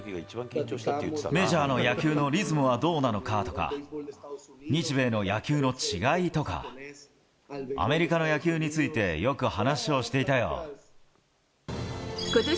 メジャーの野球のリズムはどうなのかとか、日米の野球の違いとか、アメリカの野球についてよく話をしていたよ。